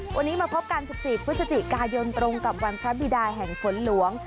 วันนี้มาพบกัน๑๔พฤศจิกายนตรงกับวันพระบิดาแห่งฝนหลวง